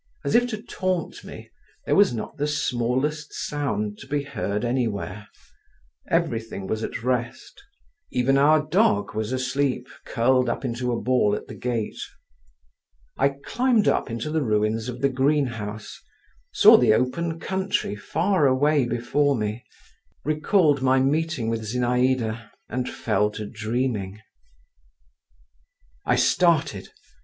As if to taunt me, there was not the smallest sound to be heard anywhere; everything was at rest. Even our dog was asleep, curled up into a ball at the gate. I climbed up into the ruins of the greenhouse, saw the open country far away before me, recalled my meeting with Zinaïda, and fell to dreaming…. I started….